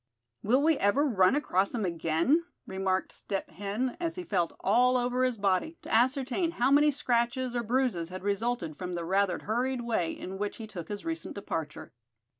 "Will we ever run across him again?" remarked Step Hen, as he felt all over his body, to ascertain how many scratches or bruises had resulted from the rather hurried way in which he took his recent departure.